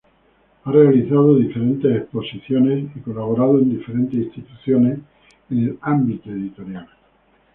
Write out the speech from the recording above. Ha realizado diferentes exposiciones y colaborado en diferentes instituciones en el ámbito editorial.